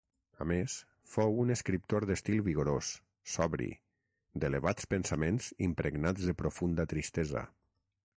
A més, fou, un escriptor d'estil vigorós, sobri, d'elevats pensaments impregnats de profunda tristesa.